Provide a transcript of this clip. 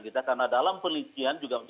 kita karena dalam penelitian juga